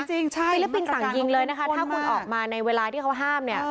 ฟิลิปปินส์สั่งยิงเลยนะคะถ้าคุณออกมาในเวลาที่เขาห้ามเนี่ย